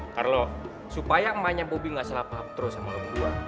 carlo supaya emangnya bobby gak salah paham terus sama lo berdua